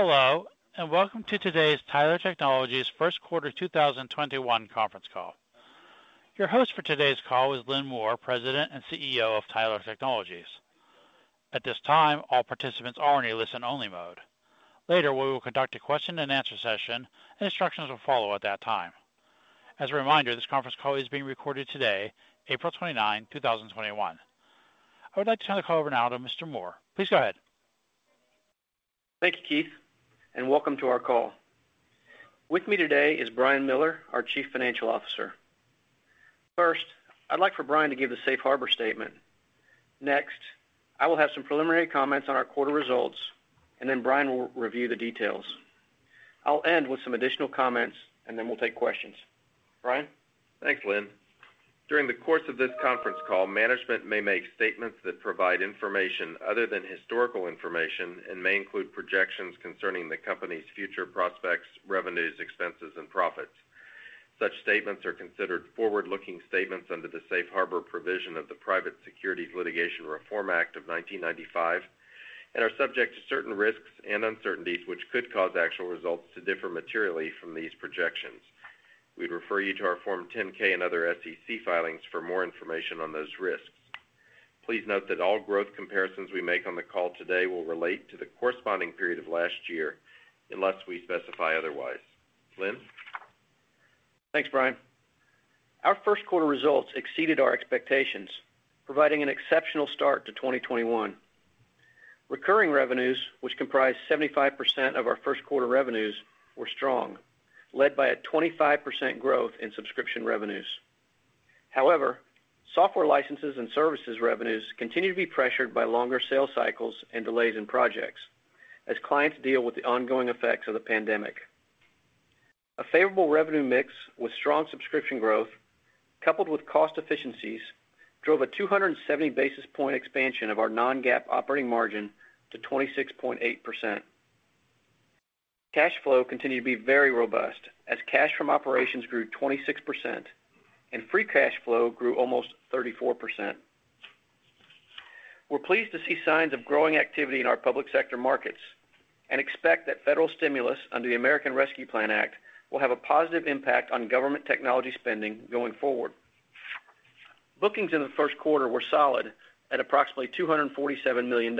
Hello, and welcome to today's Tyler Technologies first quarter 2021 conference call. Your host for today's call is Lynn Moore, President and CEO of Tyler Technologies. At this time, all participants are in a listen only mode. Later, we will conduct a question and answer session, and instructions will follow at that time. As a reminder, this conference call is being recorded today, April 29, 2021. I would like to turn the call over now to Mr. Moore. Please go ahead. Thank you, Keith, and welcome to our call. With me today is Brian Miller, our Chief Financial Officer. First, I'd like for Brian to give the safe harbor statement. Next, I will have some preliminary comments on our quarter results, and then Brian will review the details. I'll end with some additional comments, and then we'll take questions. Brian? Thanks, Lynn. During the course of this conference call, management may make statements that provide information other than historical information and may include projections concerning the company's future prospects, revenues, expenses, and profits. Such statements are considered forward-looking statements under the Safe Harbor provision of the Private Securities Litigation Reform Act of 1995 and are subject to certain risks and uncertainties which could cause actual results to differ materially from these projections. We'd refer you to our Form 10-K and other SEC filings for more information on those risks. Please note that all growth comparisons we make on the call today will relate to the corresponding period of last year unless we specify otherwise. Lynn? Thanks, Brian. Our first quarter results exceeded our expectations, providing an exceptional start to 2021. Recurring revenues, which comprise 75% of our first quarter revenues, were strong, led by a 25% growth in subscription revenues. However, software licenses and services revenues continue to be pressured by longer sales cycles and delays in projects as clients deal with the ongoing effects of the pandemic. A favorable revenue mix with strong subscription growth, coupled with cost efficiencies, drove a 270 basis point expansion of our non-GAAP operating margin to 26.8%. Cash flow continued to be very robust as cash from operations grew 26% and free cash flow grew almost 34%. We're pleased to see signs of growing activity in our public sector markets and expect that federal stimulus under the American Rescue Plan Act will have a positive impact on government technology spending going forward. Bookings in the first quarter were solid at approximately $247 million,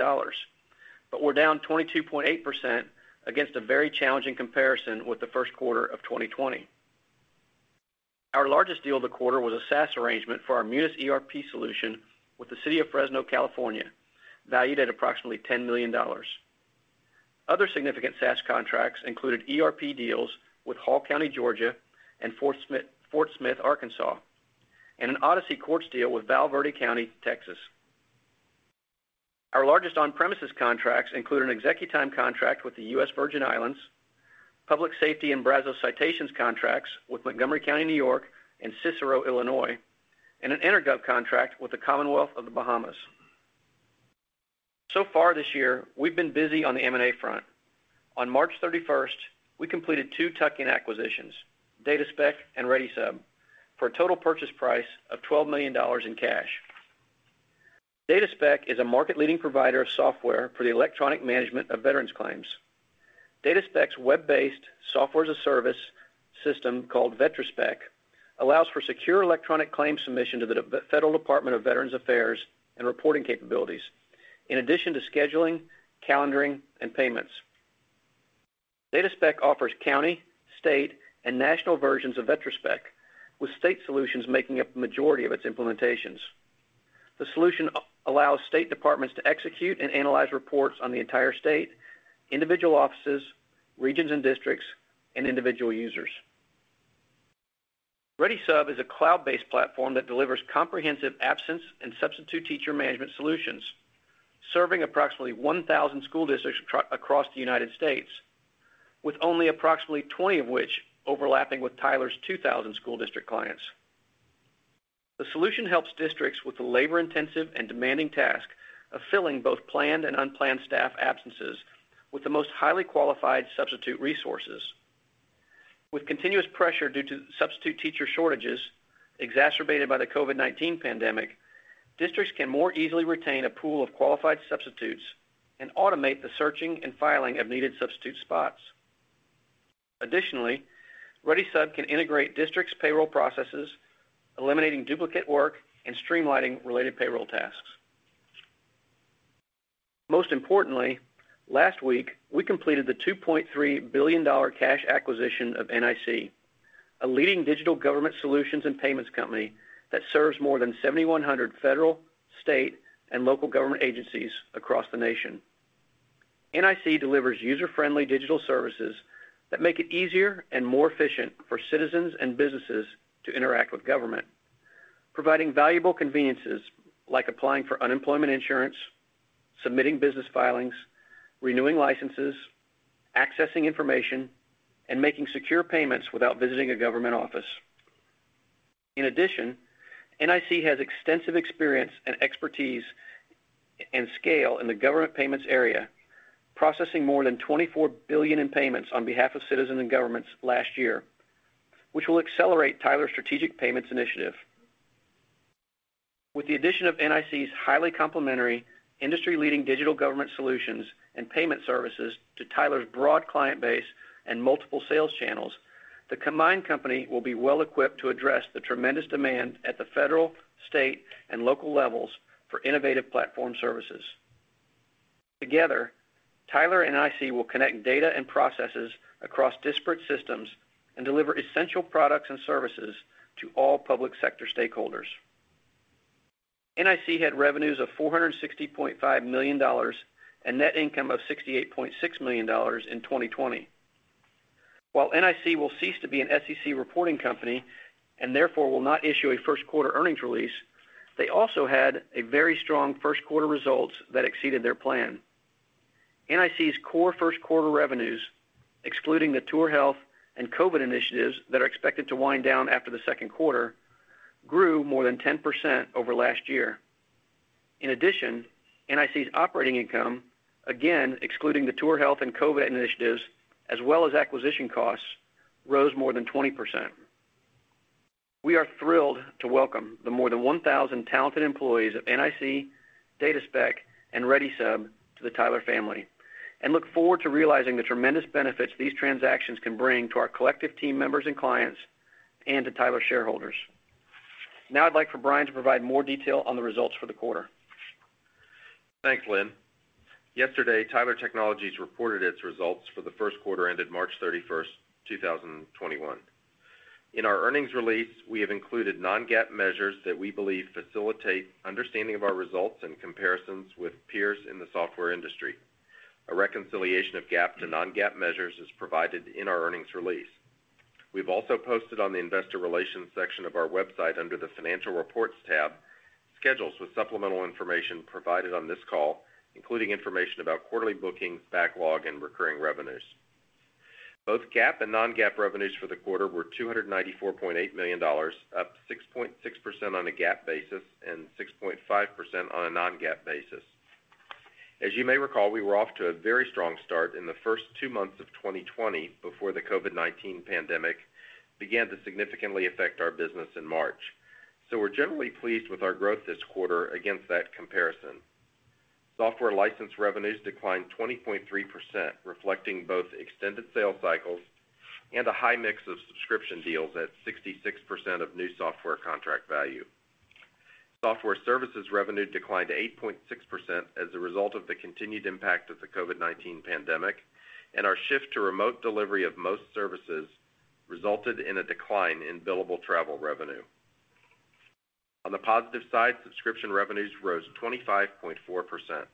but were down 22.8% against a very challenging comparison with the first quarter of 2020. Our largest deal of the quarter was a SaaS arrangement for our Munis ERP solution with the City of Fresno, California, valued at approximately $10 million. Other significant SaaS contracts included ERP deals with Hall County, Georgia, and Fort Smith, Arkansas, and an Odyssey Courts deal with Val Verde County, Texas. Our largest on-premises contracts include an ExecuTime contract with the U.S. Virgin Islands, Public Safety and Brazos Citations contracts with Montgomery County, New York, and Cicero, Illinois, and an EnerGov contract with the Commonwealth of the Bahamas. Far this year, we've been busy on the M&A front. On March 31st, we completed two tuck-in acquisitions, DataSpec and ReadySub, for a total purchase price of $12 million in cash. DataSpec is a market-leading provider of software for the electronic management of veterans claims. DataSpec's web-based software-as-a-service system called VetraSpec allows for secure electronic claim submission to the federal Department of Veterans Affairs and reporting capabilities in addition to scheduling, calendaring, and payments. DataSpec offers county, state, and national versions of VetraSpec, with state solutions making up the majority of its implementations. The solution allows state departments to execute and analyze reports on the entire state, individual offices, regions and districts, and individual users. ReadySub is a cloud-based platform that delivers comprehensive absence and substitute teacher management solutions, serving approximately 1,000 school districts across the U.S., with only approximately 20 of which overlapping with Tyler's 2,000 school district clients. The solution helps districts with the labor-intensive and demanding task of filling both planned and unplanned staff absences with the most highly qualified substitute resources. With continuous pressure due to substitute teacher shortages exacerbated by the COVID-19 pandemic, districts can more easily retain a pool of qualified substitutes and automate the searching and filing of needed substitute spots. Additionally, ReadySub can integrate districts' payroll processes, eliminating duplicate work and streamlining related payroll tasks. Most importantly, last week, we completed the $2.3 billion cash acquisition of NIC, a leading digital government solutions and payments company that serves more than 7,100 federal, state, and local government agencies across the nation. NIC delivers user-friendly digital services that make it easier and more efficient for citizens and businesses to interact with government, providing valuable conveniences like applying for unemployment insurance, submitting business filings, renewing licenses, accessing information, and making secure payments without visiting a government office. In addition, NIC has extensive experience and expertise and scale in the government payments area, processing more than $24 billion in payments on behalf of citizens and governments last year, which will accelerate Tyler's strategic payments initiative. With the addition of NIC's highly complementary, industry-leading digital government solutions and payment services to Tyler's broad client base and multiple sales channels, the combined company will be well-equipped to address the tremendous demand at the federal, state, and local levels for innovative platform services. Together, Tyler and NIC will connect data and processes across disparate systems and deliver essential products and services to all public sector stakeholders. NIC had revenues of $460.5 million and net income of $68.6 million in 2020. While NIC will cease to be an SEC-reporting company, and therefore will not issue a first quarter earnings release, they also had a very strong first quarter results that exceeded their plan. NIC's core first quarter revenues, excluding the TourHealth and COVID-19 initiatives that are expected to wind down after the second quarter, grew more than 10% over last year. NIC's operating income, again, excluding the TourHealth and COVID-19 initiatives, as well as acquisition costs, rose more than 20%. We are thrilled to welcome the more than 1,000 talented employees of NIC, DataSpec, and ReadySub to the Tyler family, and look forward to realizing the tremendous benefits these transactions can bring to our collective team members and clients, and to Tyler shareholders. Now I'd like for Brian to provide more detail on the results for the quarter. Thanks, Lynn. Yesterday, Tyler Technologies reported its results for the first quarter ended March 31st, 2021. In our earnings release, we have included non-GAAP measures that we believe facilitate understanding of our results and comparisons with peers in the software industry. A reconciliation of GAAP to non-GAAP measures is provided in our earnings release. We've also posted on the investor relations section of our website under the financial reports tab schedules with supplemental information provided on this call, including information about quarterly bookings, backlog, and recurring revenues. Both GAAP and non-GAAP revenues for the quarter were $294.8 million, up 6.6% on a GAAP basis and 6.5% on a non-GAAP basis. As you may recall, we were off to a very strong start in the first two months of 2020 before the COVID-19 pandemic began to significantly affect our business in March. We're generally pleased with our growth this quarter against that comparison. Software license revenues declined 20.3%, reflecting both extended sales cycles and a high mix of subscription deals at 66% of new software contract value. Software services revenue declined 8.6% as a result of the continued impact of the COVID-19 pandemic, and our shift to remote delivery of most services resulted in a decline in billable travel revenue. On the positive side, subscription revenues rose 25.4%.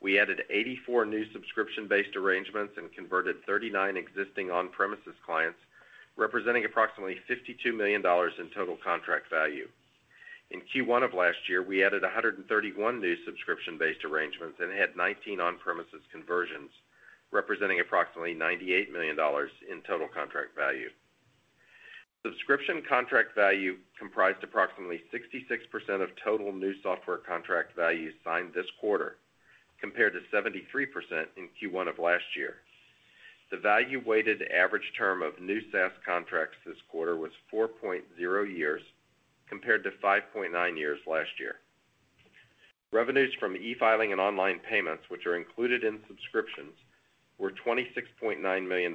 We added 84 new subscription-based arrangements and converted 39 existing on-premises clients, representing approximately $52 million in total contract value. In Q1 of last year, we added 131 new subscription-based arrangements and had 19 on-premises conversions, representing approximately $98 million in total contract value. Subscription contract value comprised approximately 66% of total new software contract values signed this quarter, compared to 73% in Q1 of last year. The value-weighted average term of new SaaS contracts this quarter was 4.0 years, compared to 5.9 years last year. Revenues from e-filing and online payments, which are included in subscriptions, were $26.9 million,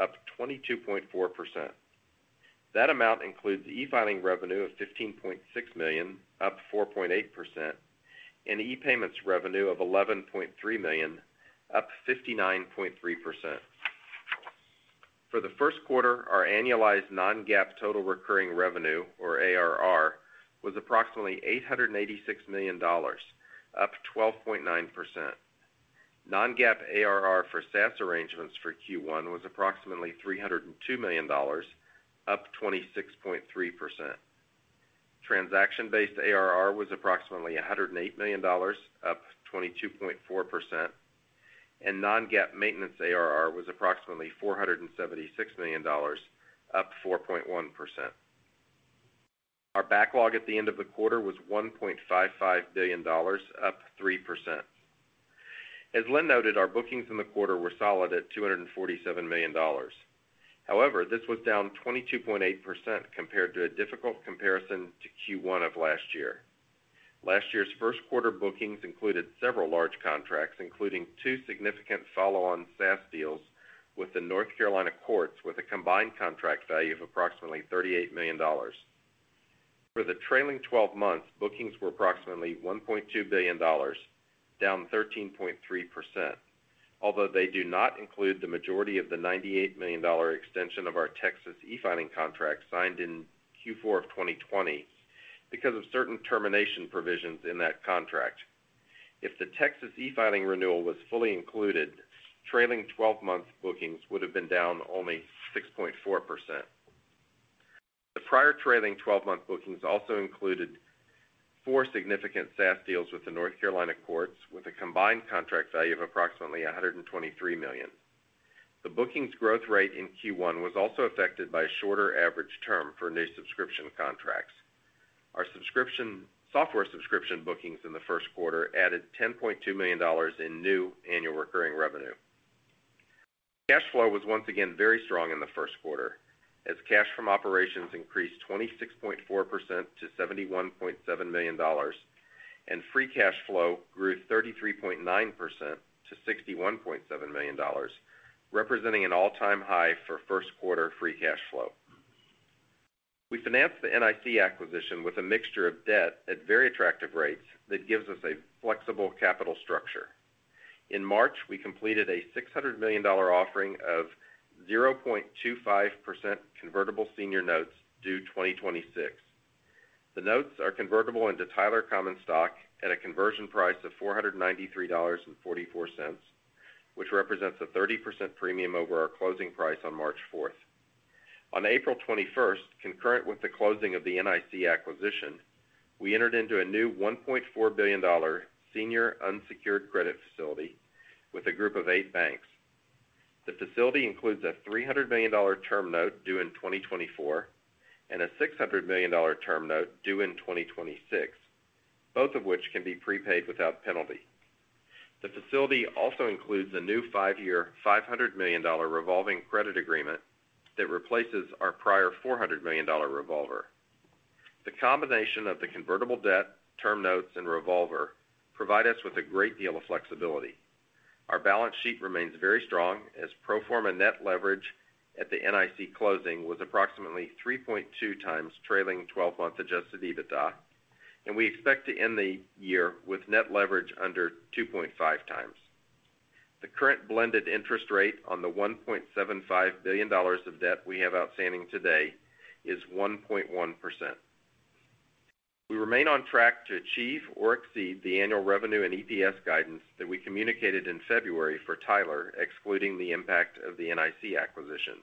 up 22.4%. That amount includes e-filing revenue of $15.6 million, up 4.8%, and e-payments revenue of $11.3 million, up 59.3%. For the first quarter, our annualized non-GAAP total recurring revenue, or ARR, was approximately $886 million, up 12.9%. Non-GAAP ARR for SaaS arrangements for Q1 was approximately $302 million, up 26.3%. Transaction-based ARR was approximately $108 million, up 22.4%, and non-GAAP maintenance ARR was approximately $476 million, up 4.1%. Our backlog at the end of the quarter was $1.55 billion, up 3%. As Lynn noted, our bookings in the quarter were solid at $247 million. This was down 22.8% compared to a difficult comparison to Q1 of last year. Last year's first quarter bookings included several large contracts, including two significant follow-on SaaS deals with the North Carolina courts, with a combined contract value of approximately $38 million. For the trailing 12 months, bookings were approximately $1.2 billion, down 13.3%, although they do not include the majority of the $98 million extension of our Texas e-filing contract signed in Q4 of 2020 because of certain termination provisions in that contract. If the Texas e-filing renewal was fully included, trailing 12 months bookings would have been down only 6.4%. The prior trailing 12-month bookings also included four significant SaaS deals with the North Carolina courts, with a combined contract value of approximately $123 million. The bookings growth rate in Q1 was also affected by a shorter average term for new subscription contracts. Our software subscription bookings in the first quarter added $10.2 million in new annual recurring revenue. Cash flow was once again very strong in the first quarter as cash from operations increased 26.4% to $71.7 million, and free cash flow grew 33.9% to $61.7 million, representing an all-time high for first quarter free cash flow. We financed the NIC acquisition with a mixture of debt at very attractive rates that gives us a flexible capital structure. In March, we completed a $600 million offering of 0.25% convertible senior notes due 2026. The notes are convertible into Tyler common stock at a conversion price of $493.44, which represents a 30% premium over our closing price on March 4th. On April 21st, concurrent with the closing of the NIC acquisition, we entered into a new $1.4 billion senior unsecured credit facility with a group of eight banks. The facility includes a $300 million term note due in 2024 and a $600 million term note due in 2026, both of which can be prepaid without penalty. The facility also includes a new five-year, $500 million revolving credit agreement that replaces our prior $400 million revolver. The combination of the convertible debt, term notes, and revolver provide us with a great deal of flexibility. Our balance sheet remains very strong as pro forma net leverage at the NIC closing was approximately 3.2x trailing 12 months adjusted EBITDA, and we expect to end the year with net leverage under 2.5x. The current blended interest rate on the $1.75 billion of debt we have outstanding today is 1.1%. We remain on track to achieve or exceed the annual revenue and EPS guidance that we communicated in February for Tyler, excluding the impact of the NIC acquisition.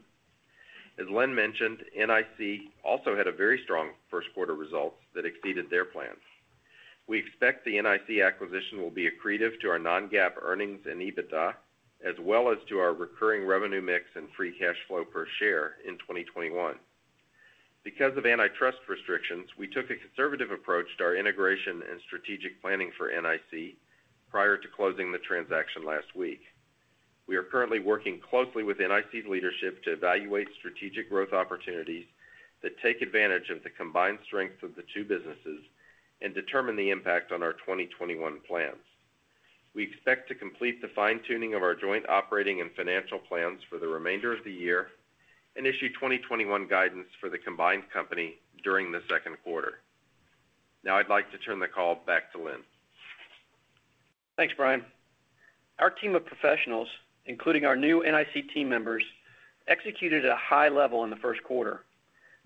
As Lynn mentioned, NIC also had a very strong first quarter results that exceeded their plans. We expect the NIC acquisition will be accretive to our non-GAAP earnings and EBITDA, as well as to our recurring revenue mix and free cash flow per share in 2021. Because of antitrust restrictions, we took a conservative approach to our integration and strategic planning for NIC prior to closing the transaction last week. We are currently working closely with NIC's leadership to evaluate strategic growth opportunities that take advantage of the combined strength of the two businesses and determine the impact on our 2021 plans. We expect to complete the fine-tuning of our joint operating and financial plans for the remainder of the year and issue 2021 guidance for the combined company during the second quarter. Now I'd like to turn the call back to Lynn. Thanks, Brian. Our team of professionals, including our new NIC team members, executed at a high level in the first quarter,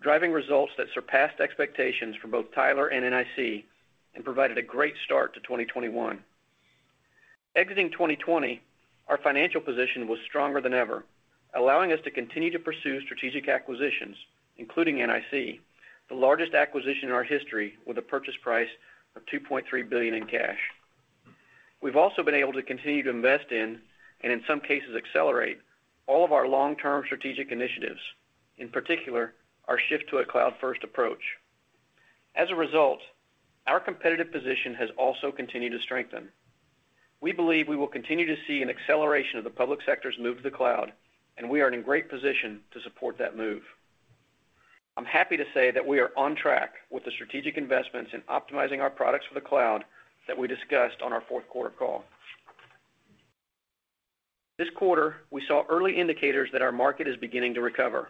driving results that surpassed expectations for both Tyler and NIC and provided a great start to 2021. Exiting 2020, our financial position was stronger than ever, allowing us to continue to pursue strategic acquisitions, including NIC, the largest acquisition in our history, with a purchase price of $2.3 billion in cash. We've also been able to continue to invest in, and in some cases accelerate, all of our long-term strategic initiatives, in particular, our shift to a cloud-first approach. As a result, our competitive position has also continued to strengthen. We believe we will continue to see an acceleration of the public sector's move to the cloud, and we are in great position to support that move. I'm happy to say that we are on track with the strategic investments in optimizing our products for the cloud that we discussed on our fourth quarter call. This quarter, we saw early indicators that our market is beginning to recover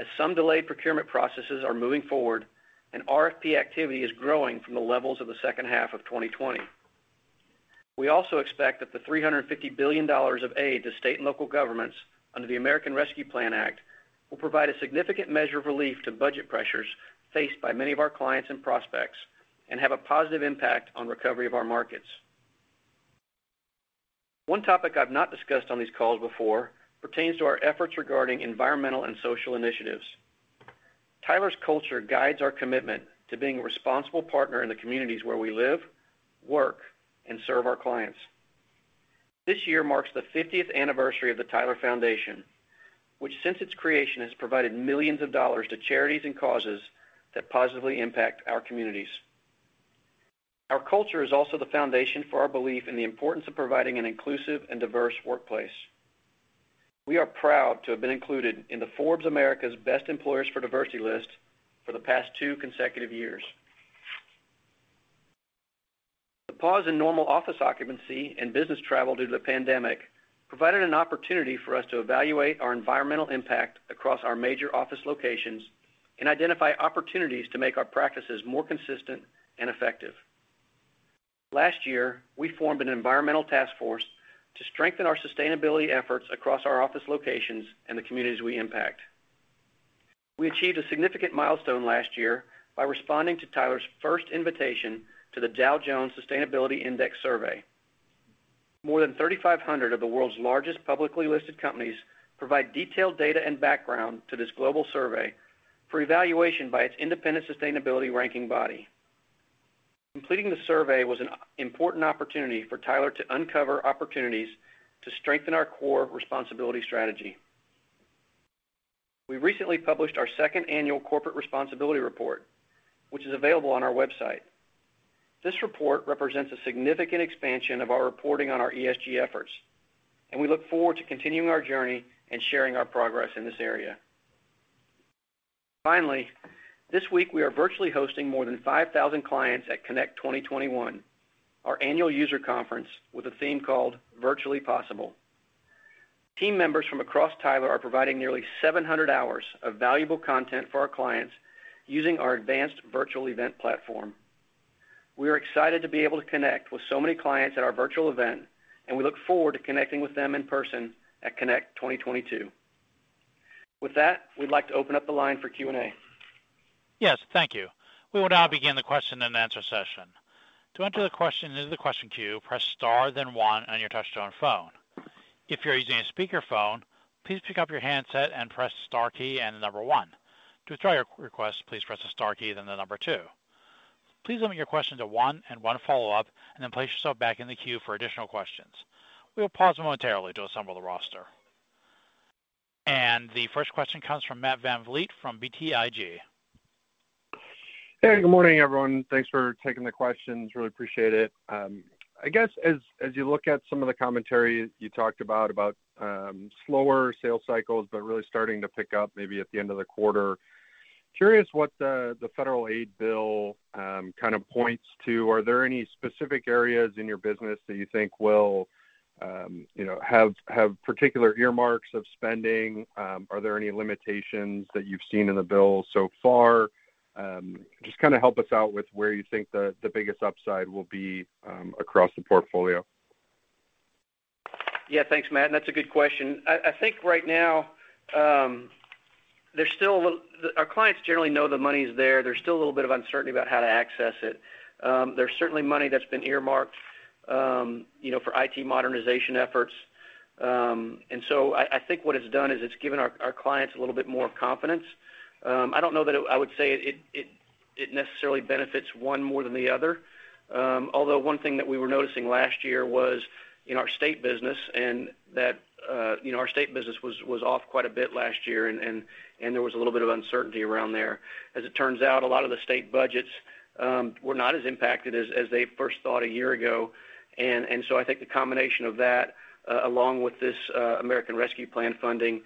as some delayed procurement processes are moving forward and RFP activity is growing from the levels of the second half of 2020. We also expect that the $350 billion of aid to state and local governments under the American Rescue Plan Act will provide a significant measure of relief to budget pressures faced by many of our clients and prospects and have a positive impact on recovery of our markets. One topic I've not discussed on these calls before pertains to our efforts regarding environmental and social initiatives. Tyler's culture guides our commitment to being a responsible partner in the communities where we live, work, and serve our clients. This year marks the 50th anniversary of the Tyler Foundation, which since its creation, has provided millions of dollars to charities and causes that positively impact our communities. Our culture is also the foundation for our belief in the importance of providing an inclusive and diverse workplace. We are proud to have been included in the Forbes America's Best Employers for Diversity list for the past two consecutive years. The pause in normal office occupancy and business travel due to the pandemic provided an opportunity for us to evaluate our environmental impact across our major office locations and identify opportunities to make our practices more consistent and effective. Last year, we formed an environmental task force to strengthen our sustainability efforts across our office locations and the communities we impact. We achieved a significant milestone last year by responding to Tyler's first invitation to the Dow Jones Sustainability Index survey. More than 3,500 of the world's largest publicly listed companies provide detailed data and background to this global survey for evaluation by its independent sustainability ranking body. Completing the survey was an important opportunity for Tyler to uncover opportunities to strengthen our core responsibility strategy. We recently published our second annual corporate responsibility report, which is available on our website. This report represents a significant expansion of our reporting on our ESG efforts, and we look forward to continuing our journey and sharing our progress in this area. Finally, this week, we are virtually hosting more than 5,000 clients at Connect 2021, our annual user conference with a theme called Virtually Possible. Team members from across Tyler are providing nearly 700 hours of valuable content for our clients using our advanced virtual event platform. We are excited to be able to connect with so many clients at our virtual event, and we look forward to connecting with them in person at Connect 2022. With that, we'd like to open up the line for Q&A. Yes. Thank you. We will now begin the question and answer session. To enter the question into the question queue, press star then one on your touchtone phone. If you're using a speakerphone, please pick up your handset and press star key and the number one. To withdraw your request, please press the star key, then the number two. Please limit your question to one and one follow-up, then place yourself back in the queue for additional questions. We'll pause momentarily to assemble the roster. The first question comes from Matt VanVliet from BTIG. Hey, good morning, everyone. Thanks for taking the questions. Really appreciate it. I guess as you look at some of the commentary you talked about slower sales cycles but really starting to pick up maybe at the end of the quarter, curious what the federal aid bill kind of points to. Are there any specific areas in your business that you think will have particular earmarks of spending? Are there any limitations that you've seen in the bill so far? Just help us out with where you think the biggest upside will be across the portfolio? Yeah. Thanks, Matt, and that's a good question. I think right now our clients generally know the money's there. There's still a little bit of uncertainty about how to access it. There's certainly money that's been earmarked for IT modernization efforts. I think what it's done is it's given our clients a little bit more confidence. I don't know that I would say it necessarily benefits one more than the other. Although one thing that we were noticing last year was in our state business, and that our state business was off quite a bit last year, and there was a little bit of uncertainty around there. As it turns out, a lot of the state budgets were not as impacted as they first thought a year ago. I think the combination of that, along with this American Rescue Plan funding,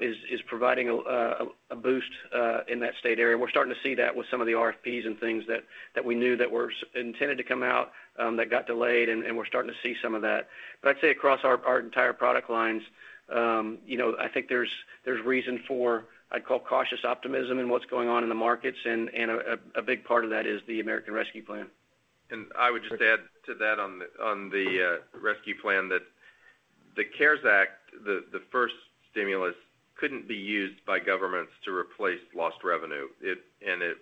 is providing a boost in that state area. We're starting to see that with some of the RFPs and things that we knew that were intended to come out that got delayed, and we're starting to see some of that. I'd say across our entire product lines, I think there's reason for, I'd call cautious optimism in what's going on in the markets, and a big part of that is the American Rescue Plan. I would just add to that on the Rescue Plan that the CARES Act, the first stimulus, couldn't be used by governments to replace lost revenue. It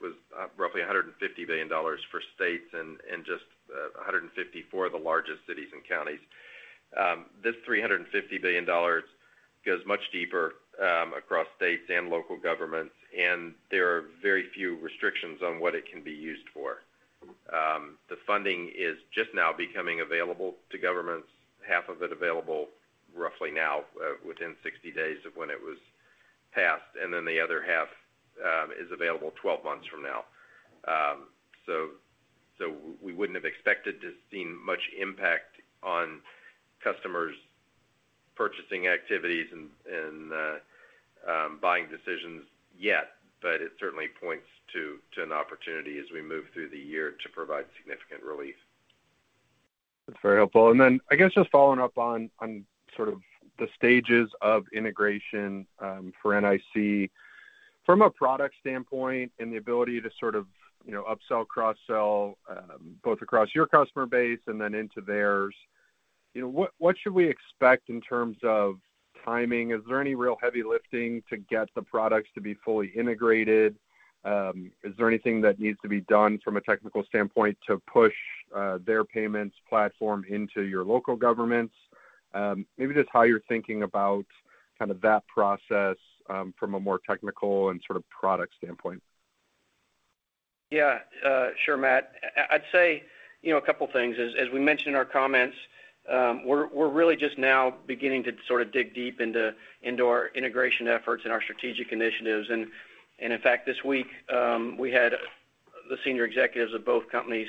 was roughly $150 billion for states and just $150 billion for the largest cities and counties. This $350 billion goes much deeper across states and local governments, and there are very few restrictions on what it can be used for. The funding is just now becoming available to governments, half of it available roughly now, within 60 days of when it was passed, and then the other half is available 12 months from now. We wouldn't have expected to seen much impact on customers' purchasing activities and buying decisions yet, but it certainly points to an opportunity as we move through the year to provide significant relief. That's very helpful. I guess just following up on sort of the stages of integration for NIC. From a product standpoint and the ability to sort of upsell, cross-sell, both across your customer base and then into theirs, what should we expect in terms of timing? Is there any real heavy lifting to get the products to be fully integrated? Is there anything that needs to be done from a technical standpoint to push their payments platform into your local governments? Maybe just how you're thinking about that process from a more technical and sort of product standpoint. Yeah. Sure, Matt. I'd say a couple things. As we mentioned in our comments, we're really just now beginning to sort of dig deep into our integration efforts and our strategic initiatives. In fact, this week, we had the senior executives of both companies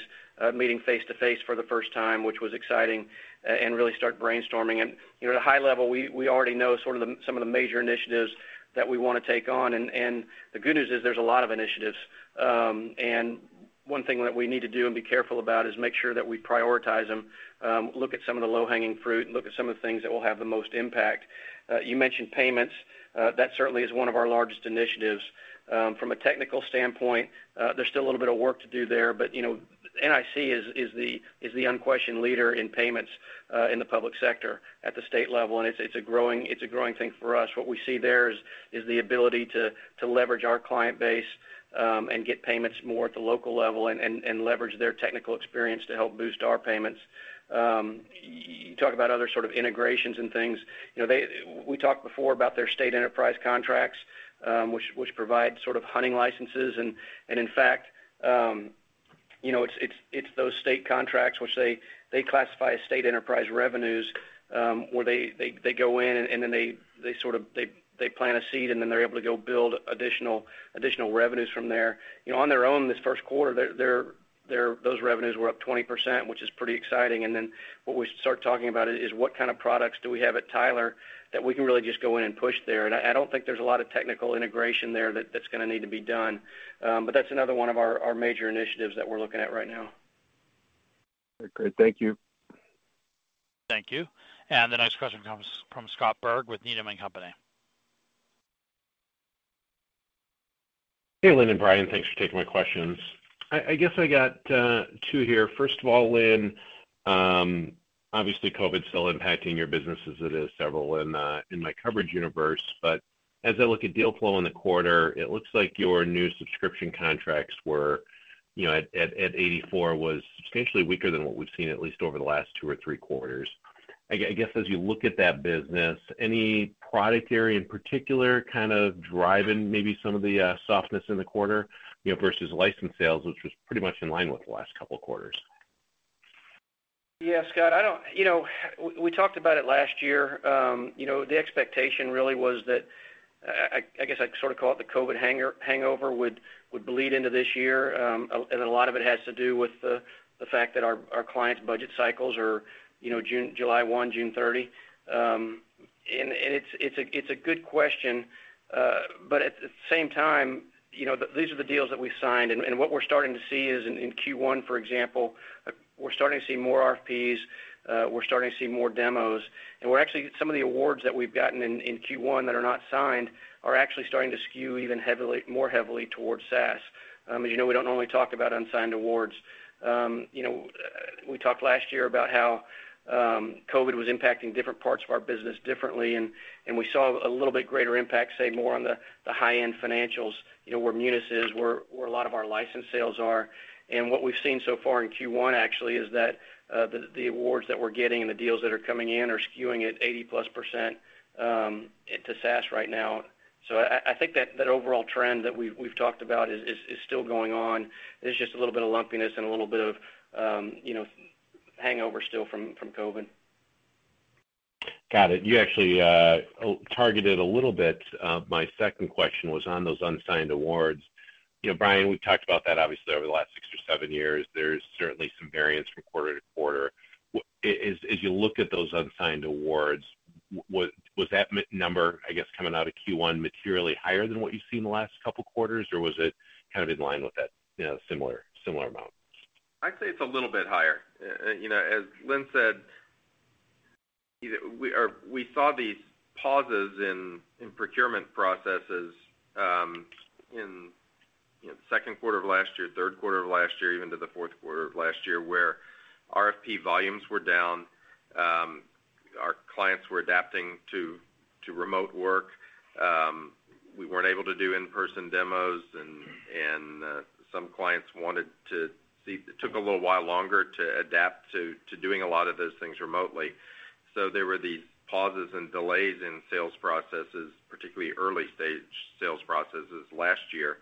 meeting face-to-face for the first time, which was exciting, and really start brainstorming. At a high level, we already know some of the major initiatives that we want to take on, and the good news is there's a lot of initiatives. One thing that we need to do and be careful about is make sure that we prioritize them, look at some of the low-hanging fruit, and look at some of the things that will have the most impact. You mentioned payments. That certainly is one of our largest initiatives. From a technical standpoint, there's still a little bit of work to do there, but NIC is the unquestioned leader in payments in the public sector at the state level, and it's a growing thing for us. What we see there is the ability to leverage our client base and get payments more at the local level and leverage their technical experience to help boost our payments. You talk about other sort of integrations and things. We talked before about their state enterprise contracts, which provide sort of hunting licenses, and in fact, it's those state contracts which they classify as state enterprise revenues, where they go in and then they plant a seed, and then they're able to go build additional revenues from there. On their own this first quarter, those revenues were up 20%, which is pretty exciting. What we start talking about is what kind of products do we have at Tyler that we can really just go in and push there? I don't think there's a lot of technical integration there that's going to need to be done. That's another one of our major initiatives that we're looking at right now. Great. Thank you. Thank you. The next question comes from Scott Berg with Needham & Company. Hey, Lynn and Brian. Thanks for taking my questions. I guess I got two here. First of all, Lynn, obviously COVID-19's still impacting your business as it is several in my coverage universe. As I look at deal flow in the quarter, it looks like your new subscription contracts were at 84 was substantially weaker than what we've seen, at least over the last two or three quarters. I guess as you look at that business, any product area in particular kind of driving maybe some of the softness in the quarter, versus license sales, which was pretty much in line with the last couple of quarters? Yeah, Scott. We talked about it last year. The expectation really was that, I guess I sort of call it the COVID hangover would bleed into this year. A lot of it has to do with the fact that our clients' budget cycles are July 1, June 30. It's a good question. At the same time, these are the deals that we signed, and what we're starting to see is in Q1, for example, we're starting to see more RFPs, we're starting to see more demos. Some of the awards that we've gotten in Q1 that are not signed are actually starting to skew even more heavily towards SaaS. As you know, we don't normally talk about unsigned awards. We talked last year about how COVID was impacting different parts of our business differently, and we saw a little bit greater impact, say, more on the high-end financials, where Munis is, where a lot of our license sales are. What we've seen so far in Q1, actually, is that the awards that we're getting and the deals that are coming in are skewing at 80%+ to SaaS right now. I think that overall trend that we've talked about is still going on. It's just a little bit of lumpiness and a little bit of hangover still from COVID. Got it. You actually targeted a little bit. My second question was on those unsigned awards. Brian, we've talked about that obviously over the last six or seven years. There's certainly some variance from quarter to quarter. As you look at those unsigned awards, was that number, I guess, coming out of Q1 materially higher than what you've seen in the last couple of quarters, or was it kind of in line with that similar amount? I'd say it's a little bit higher. As Lynn said, we saw these pauses in procurement processes in the second quarter of last year, third quarter of last year, even into the fourth quarter of last year, where RFP volumes were down. Our clients were adapting to remote work. We weren't able to do in-person demos, and some clients took a little while longer to adapt to doing a lot of those things remotely. There were these pauses and delays in sales processes, particularly early-stage sales processes last year.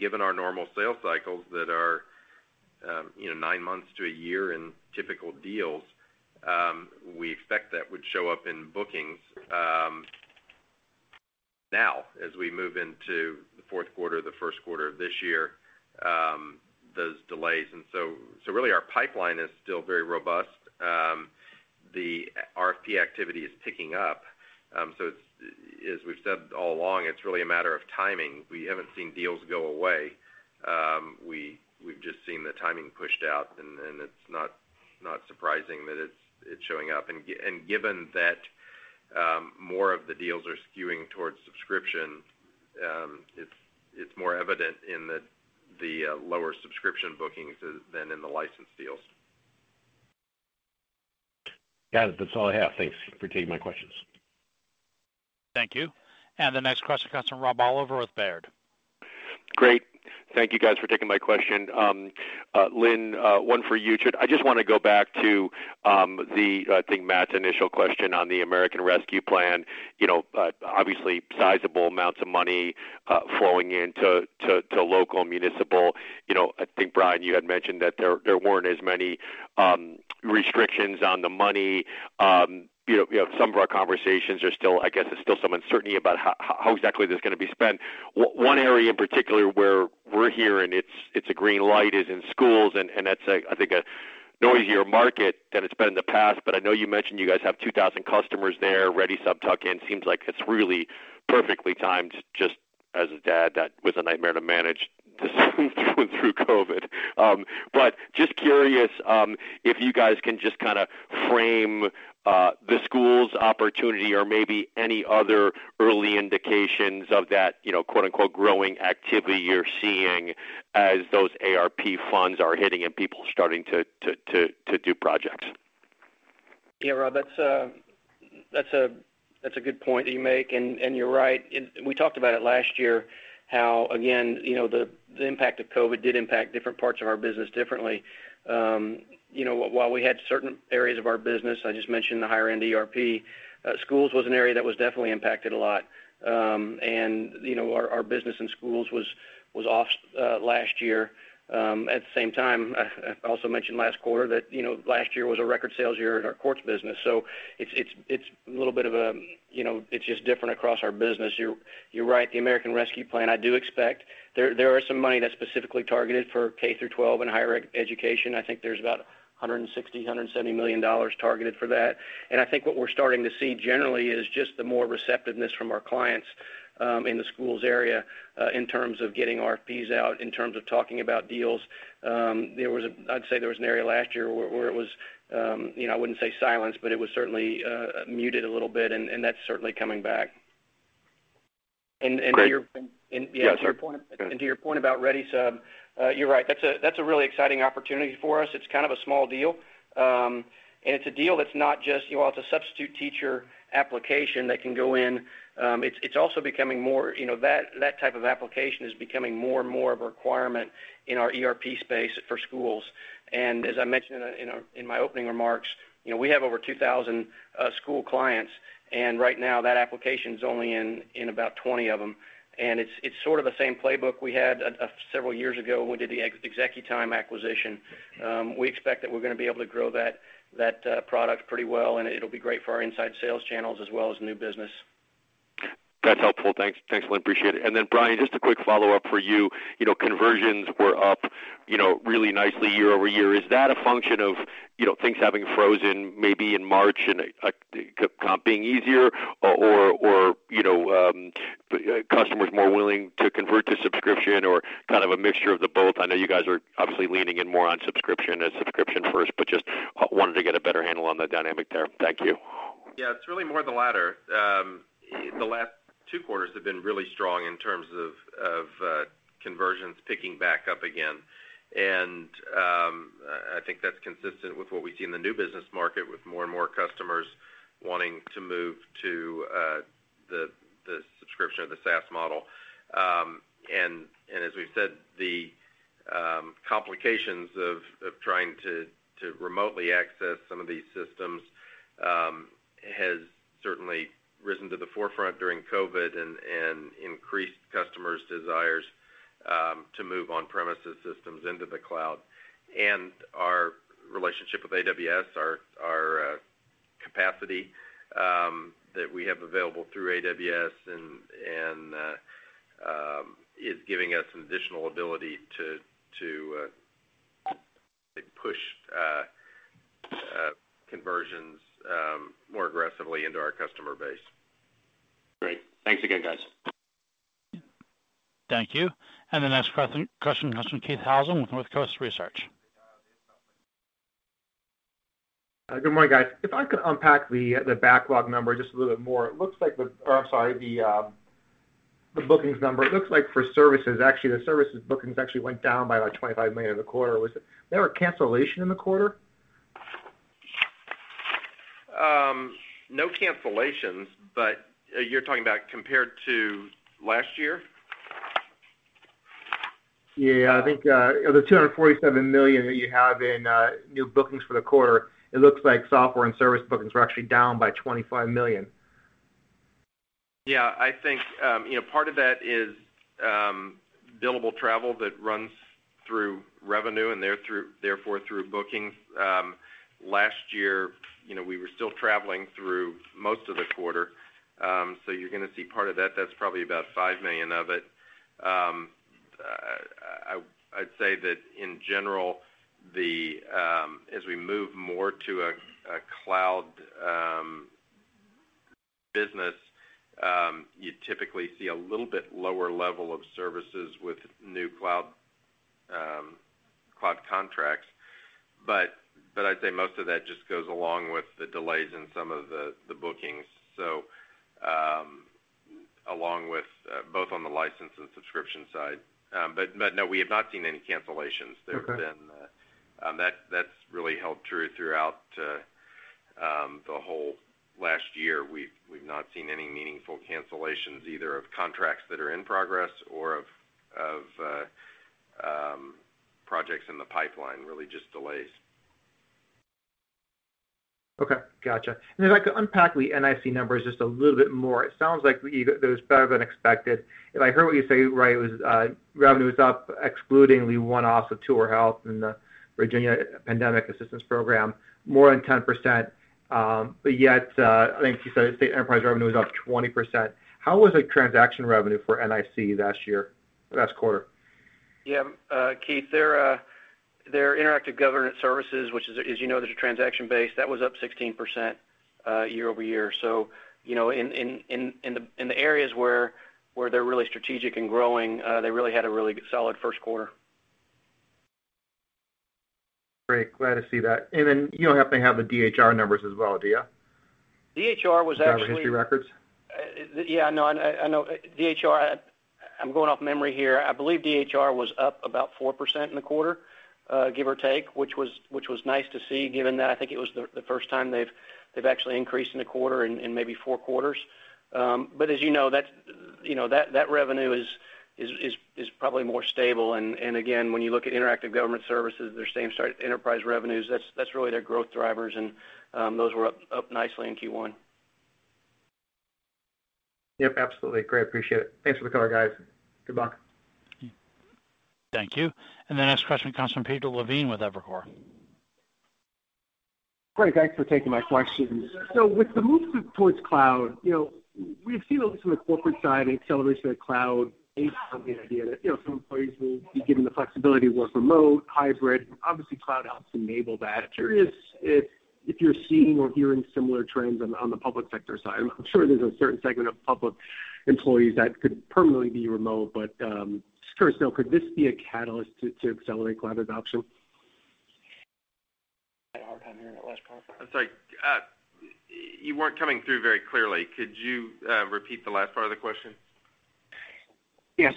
Given our normal sales cycles that are nine months to a year in typical deals, we expect that would show up in bookings now as we move into the fourth quarter, the first quarter of this year, those delays. Really our pipeline is still very robust. The RFP activity is picking up. As we've said all along, it's really a matter of timing. We haven't seen deals go away. We've just seen the timing pushed out, and it's not surprising that it's showing up. Given that more of the deals are skewing towards subscription, it's more evident in the lower subscription bookings than in the license deals. Got it. That's all I have. Thanks for taking my questions. Thank you. The next question comes from Rob Oliver with Baird. Great. Thank you guys for taking my question. Lynn, one for you. I just want to go back to, I think, Matt's initial question on the American Rescue Plan. Obviously, sizable amounts of money flowing in to local municipal. I think, Brian, you had mentioned that there weren't as many restrictions on the money. Some of our conversations are still, I guess, there's still some uncertainty about how exactly this is going to be spent. One area in particular where we're hearing it's a green light is in schools, that's, I think, a noisier market than it's been in the past. I know you mentioned you guys have 2,000 customers there, ReadySub tuck in. Seems like it's really perfectly timed, just as a dad, that was a nightmare to manage through COVID. Just curious if you guys can just kind of frame the schools opportunity or maybe any other early indications of that, quote unquote, "growing activity" you're seeing as those ARP funds are hitting and people starting to do projects. Yeah, Rob, that's a good point that you make. You're right. We talked about it last year, how, again, the impact of COVID did impact different parts of our business differently. While we had certain areas of our business, I just mentioned the higher ed ERP, schools was an area that was definitely impacted a lot. Our business in schools was off last year. At the same time, I also mentioned last quarter that last year was a record sales year in our courts business. It's just different across our business. You're right. The American Rescue Plan, I do expect, there are some money that's specifically targeted for K-12 and higher education. I think there's about $160 million, $170 million targeted for that. I think what we're starting to see generally is just the more receptiveness from our clients in the schools area in terms of getting RFPs out, in terms of talking about deals. I'd say there was an area last year where it was, I wouldn't say silence, but it was certainly muted a little bit, and that's certainly coming back. Great. And to your point- Yeah, sorry. To your point about ReadySub, you're right. That's a really exciting opportunity for us. It's kind of a small deal. It's a deal that's not just, well, it's a substitute teacher application that can go in. That type of application is becoming more and more of a requirement in our ERP space for schools. As I mentioned in my opening remarks, we have over 2,000 school clients, and right now that application's only in about 20 of them. It's sort of the same playbook we had several years ago when we did the ExecuTime acquisition. We expect that we're going to be able to grow that product pretty well, and it'll be great for our inside sales channels as well as new business. That's helpful. Thanks, Lynn. Appreciate it. Brian, just a quick follow-up for you. Conversions were up really nicely year-over-year. Is that a function of things having frozen maybe in March and comp being easier or customers more willing to convert to subscription or kind of a mixture of the both? I know you guys are obviously leaning in more on subscription and subscription first, just wanted to get a better handle on the dynamic there. Thank you. It's really more the latter. The last two quarters have been really strong in terms of conversions picking back up again. I think that's consistent with what we see in the new business market with more and more customers wanting to move to the subscription or the SaaS model. As we've said, the complications of trying to remotely access some of these systems has certainly risen to the forefront during COVID-19 and increased customers' desires to move on-premises systems into the cloud. Our relationship with AWS, our capacity that we have available through AWS is giving us some additional ability to push conversions more aggressively into our customer base. Great. Thanks again, guys. Thank you. The next question comes from Keith Housum with Northcoast Research. Good morning, guys. If I could unpack the backlog number just a little bit more. It looks like the bookings number. It looks like for services, actually, the services bookings actually went down by like $25 million in the quarter. Was there a cancellation in the quarter? No cancellations, but you're talking about compared to last year? Yeah, I think the $247 million that you have in new bookings for the quarter, it looks like software and service bookings were actually down by $25 million. Yeah, I think part of that is billable travel that runs through revenue and therefore through bookings. Last year, we were still traveling through most of the quarter. You're going to see part of that's probably about $5 million of it. I'd say that in general, as we move more to a cloud business, you typically see a little bit lower level of services with new cloud contracts. I'd say most of that just goes along with the delays in some of the bookings, so along with both on the license and subscription side. No, we have not seen any cancellations. Okay. That's really held true throughout the whole last year. We've not seen any meaningful cancellations, either of contracts that are in progress or of projects in the pipeline, really just delays. Okay, gotcha. If I could unpack the NIC numbers just a little bit more. It sounds like it was better than expected. If I heard what you say, right, it was revenue was up, excluding the one-offs of TourHealth and the Virginia Pandemic Assistance Program, more than 10%. Yet, I think you said State Enterprise revenue was up 20%. How was the transaction revenue for NIC last quarter? Yeah. Keith, their Interactive Government Services, which as you know, there's a transaction base, that was up 16% year-over-year. In the areas where they're really strategic and growing, they really had a really solid first quarter. Great, glad to see that. You don't happen to have the DHR numbers as well, do you? DHR was actually. Driver History Records? Yeah, no. I know DHR, I'm going off memory here. I believe DHR was up about 4% in the quarter, give or take, which was nice to see given that I think it was the first time they've actually increased in a quarter in maybe four quarters. As you know, that revenue is probably more stable. Again, when you look at Interactive Government Services, their same state enterprise revenues, that's really their growth drivers and those were up nicely in Q1. Yep, absolutely. Great. Appreciate it. Thanks for the color, guys. Good luck. Thank you. The next question comes from Peter Levine with Evercore. Great. Thanks for taking my questions. With the movement towards cloud, we've seen a little from the corporate side an acceleration of cloud-based company idea that some employees will be given the flexibility to work remote, hybrid. Obviously, cloud helps enable that. Curious if you're seeing or hearing similar trends on the public sector side. I'm sure there's a certain segment of public employees that could permanently be remote, but just curious to know, could this be a catalyst to accelerate cloud adoption? Had a hard time hearing that last part. I'm sorry. You weren't coming through very clearly. Could you repeat the last part of the question?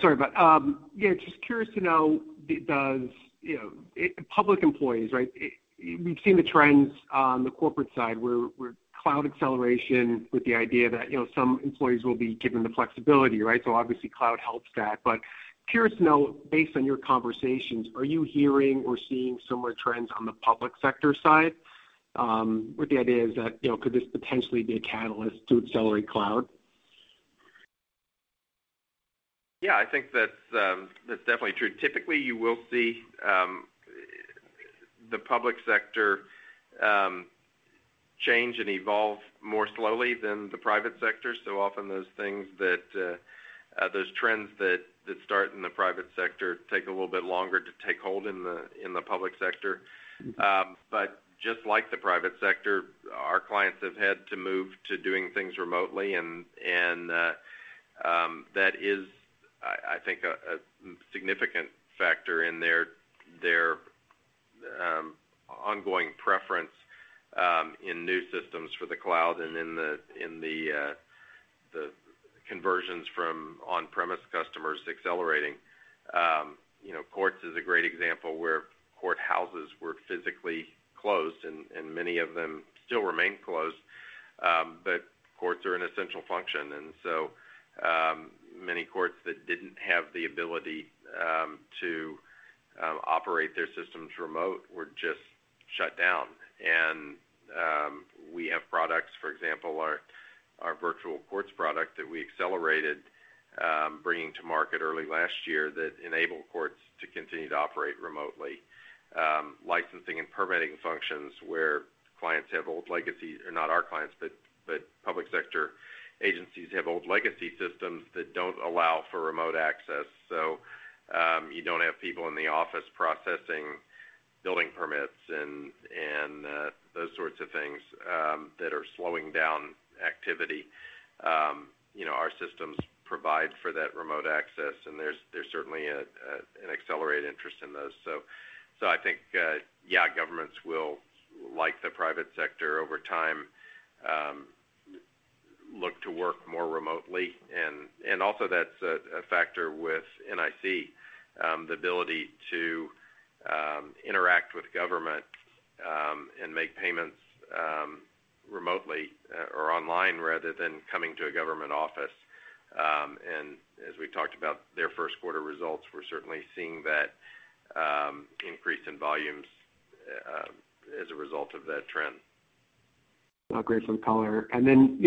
Sorry about that. Just curious to know, does public employees, right? We've seen the trends on the corporate side where cloud acceleration with the idea that some employees will be given the flexibility, right? Obviously cloud helps that. Curious to know, based on your conversations, are you hearing or seeing similar trends on the public sector side? Where the idea is that, could this potentially be a catalyst to accelerate cloud? I think that's definitely true. Typically, you will see the public sector change and evolve more slowly than the private sector. Often those trends that start in the private sector take a little bit longer to take hold in the public sector. Just like the private sector, our clients have had to move to doing things remotely, and that is, I think, a significant factor in their ongoing preference in new systems for the cloud and in the conversions from on-premise customers accelerating. Courts is a great example where courthouses were physically closed, and many of them still remain closed. Courts are an essential function. Many courts that didn't have the ability to operate their systems remote were just shut down. We have products, for example, our virtual courts product that we accelerated bringing to market early last year that enable courts to continue to operate remotely. Licensing and permitting functions where public sector agencies have old legacy systems that don't allow for remote access. You don't have people in the office processing building permits and those sorts of things that are slowing down activity. Our systems provide for that remote access, and there's certainly an accelerated interest in those. I think, yeah, governments will, like the private sector over time, look to work more remotely. Also that's a factor with NIC, the ability to interact with government and make payments remotely or online rather than coming to a government office. As we talked about their first quarter results, we're certainly seeing that increase in volumes as a result of that trend. Great. Some color. Lynn,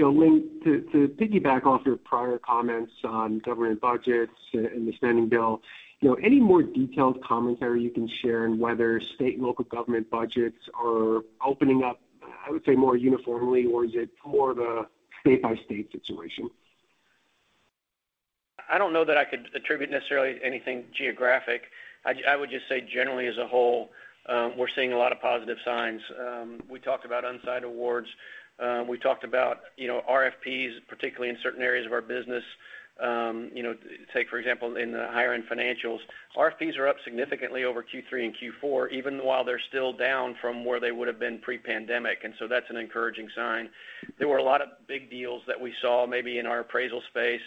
to piggyback off your prior comments on government budgets and the spending bill, any more detailed commentary you can share on whether state and local government budgets are opening up, I would say, more uniformly, or is it more of a state-by-state situation? I don't know that I could attribute necessarily anything geographic. I would just say generally as a whole, we're seeing a lot of positive signs. We talked about on-site awards. We talked about RFPs, particularly in certain areas of our business. Take, for example, in the higher-end financials, RFPs are up significantly over Q3 and Q4, even while they're still down from where they would have been pre-pandemic. That's an encouraging sign. There were a lot of big deals that we saw maybe in our appraisal space,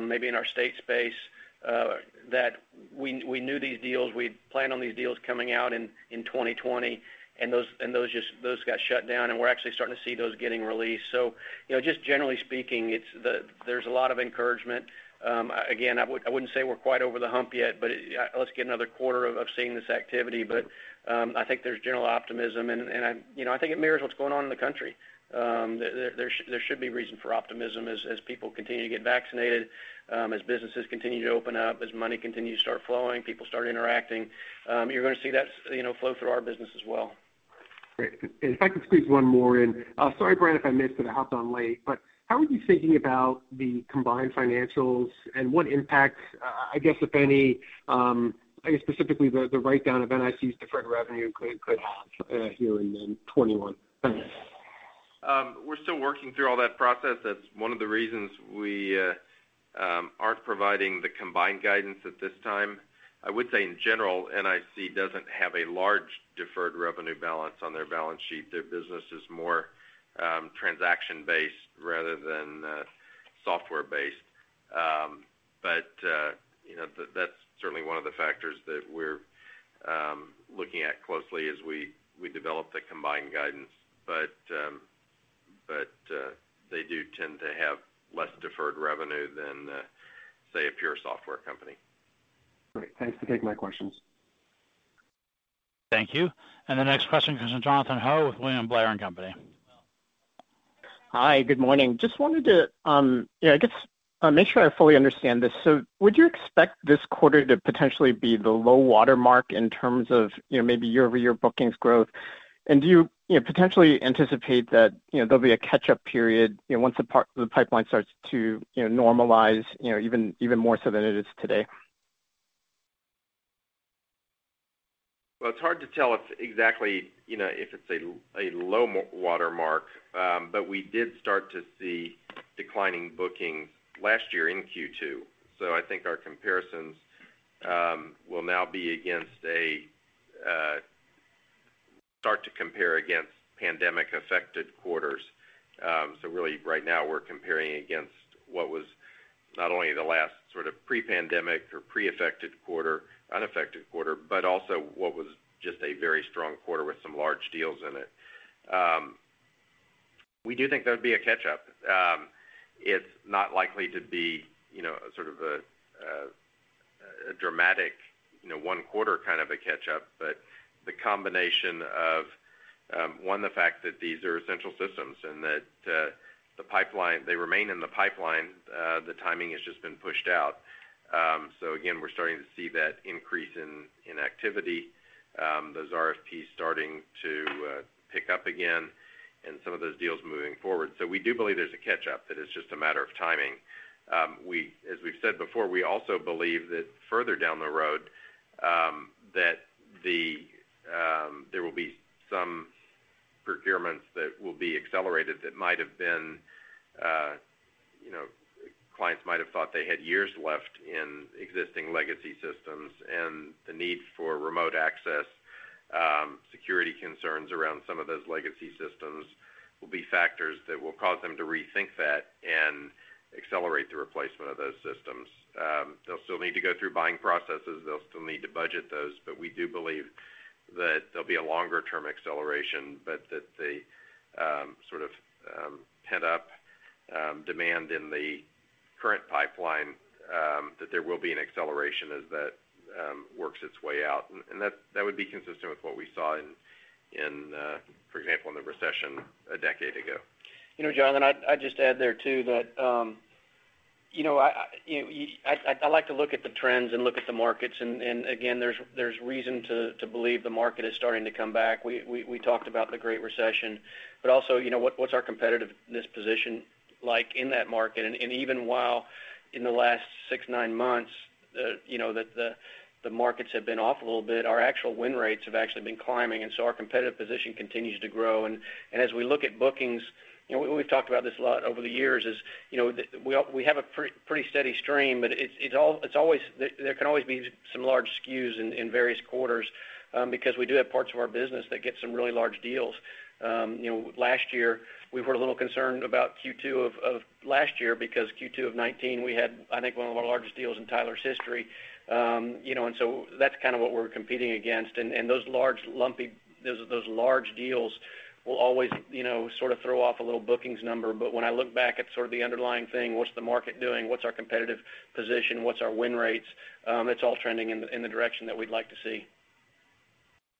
maybe in our state space, that we knew these deals, we planned on these deals coming out in 2020, and those got shut down, and we're actually starting to see those getting released. Just generally speaking, there's a lot of encouragement. Again, I wouldn't say we're quite over the hump yet, but let's get another quarter of seeing this activity. I think there's general optimism, and I think it mirrors what's going on in the country. There should be reason for optimism as people continue to get vaccinated, as businesses continue to open up, as money continues to start flowing, people start interacting. You're going to see that flow through our business as well. Great. If I could squeeze one more in. Sorry, Brian, if I missed it. I hopped on late. How are you thinking about the combined financials and what impacts, I guess if any, I guess specifically the write-down of NIC's deferred revenue could have here in 2021? Thanks. We're still working through all that process. That's one of the reasons we aren't providing the combined guidance at this time. I would say in general, NIC doesn't have a large deferred revenue balance on their balance sheet. Their business is more transaction-based rather than software-based. That's certainly one of the factors that we're looking at closely as we develop the combined guidance. They do tend to have less deferred revenue than, say, a pure software company. Great. Thanks for taking my questions. Thank you. The next question comes from Jonathan Ho with William Blair & Company. Hi, good morning. Just wanted to, I guess, make sure I fully understand this. Would you expect this quarter to potentially be the low water mark in terms of maybe year-over-year bookings growth? Do you potentially anticipate that there'll be a catch-up period once the pipeline starts to normalize even more so than it is today? Well, it's hard to tell if it's a low water mark. We did start to see declining bookings last year in Q2. I think our comparisons will now start to compare against pandemic-affected quarters. Really right now we're comparing against what was not only the last sort of pre-pandemic or pre-unaffected quarter, but also what was just a very strong quarter with some large deals in it. We do think there'd be a catch-up. It's not likely to be a dramatic one quarter kind of a catch-up. The combination of, one, the fact that these are essential systems and that they remain in the pipeline, the timing has just been pushed out. Again, we're starting to see that increase in activity, those RFPs starting to pick up again, and some of those deals moving forward. We do believe there's a catch-up, that it's just a matter of timing. As we've said before, we also believe that further down the road, there will be some procurements that will be accelerated that clients might have thought they had years left in existing legacy systems, and the need for remote access, security concerns around some of those legacy systems will be factors that will cause them to rethink that and accelerate the replacement of those systems. They'll still need to go through buying processes. They'll still need to budget those, but we do believe that there'll be a longer-term acceleration, but that the sort of pent-up demand in the current pipeline, that there will be an acceleration as that works its way out. That would be consistent with what we saw, for example, in the recession a decade ago. Jonathan, I'd just add there too that I like to look at the trends and look at the markets. Again, there's reason to believe the market is starting to come back. We talked about the Great Recession. Also, what's our competitiveness position like in that market? Even while in the last six, nine months, the markets have been off a little bit, our actual win rates have actually been climbing. Our competitive position continues to grow. As we look at bookings, we've talked about this a lot over the years, is we have a pretty steady stream, but there can always be some large skews in various quarters, because we do have parts of our business that get some really large deals. Last year, we were a little concerned about Q2 of last year because Q2 of 2019, we had, I think, one of our largest deals in Tyler's history. That's kind of what we're competing against. Those large deals will always sort of throw off a little bookings number. When I look back at sort of the underlying thing, what's the market doing? What's our competitive position? What's our win rates? It's all trending in the direction that we'd like to see.